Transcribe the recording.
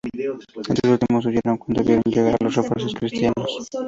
Estos últimos huyeron cuando vieron llegar los refuerzos cristianos.